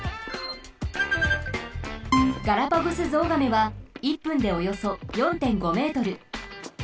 ガラパゴスゾウガメは１分でおよそ４．５ｍ。